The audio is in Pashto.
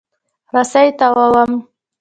رسۍ تاووم.